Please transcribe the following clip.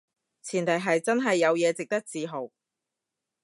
前提係真係有嘢值得自豪